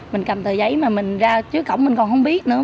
mình cầm tờ giấy mà mình ra trước cổng mình còn không biết nữa